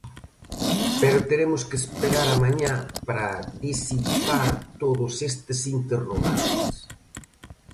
Pero teremos que esperar a mañá para disipar todos estes interrogantes.